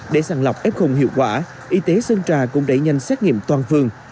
để sàng lọc f hiệu quả y tế sơn trà cũng đẩy nhanh xét nghiệm toàn phường